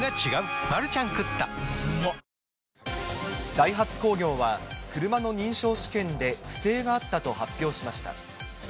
ダイハツ工業は、車の認証試験で不正があったと発表しました。